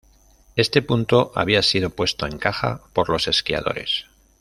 Este punto había sido puesto en "caja" por los esquiadores.